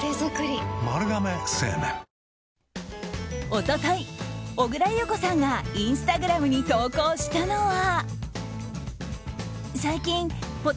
一昨日、小倉優子さんがインスタグラムに投稿したのは。